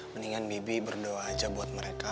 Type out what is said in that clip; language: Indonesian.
mendingan bibi berdoa aja buat mereka